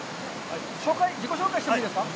自己紹介してもらってもいいですか。